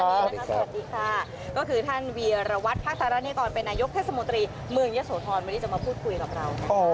วันนี้จะมาพูดคุยกับเรา